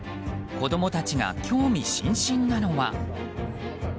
子供たちが興味津々なのは。